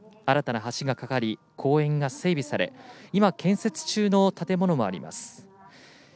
新たな橋が架かり公園が整備され今、建設中の建物もあります。